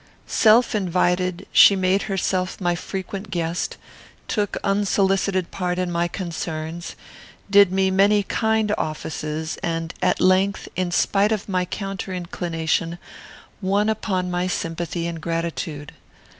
Self invited, she made herself my frequent guest; took unsolicited part in my concerns; did me many kind offices; and, at length, in spite of my counter inclination, won upon my sympathy and gratitude.